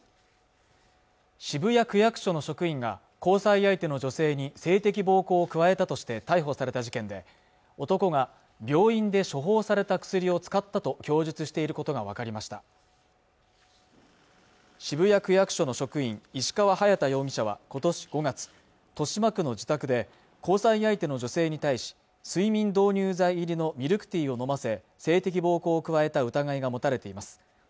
渋谷区役所の職員が交際相手の女性に性的暴行を加えたとして逮捕された事件で男が病院で処方された薬を使ったと供述していることが分かりました渋谷区役所の職員石川隼大容疑者は今年５月豊島区の自宅で交際相手の女性に対し睡眠導入剤入りのミルクティーを飲ませ性的暴行を加えた疑いが持たれています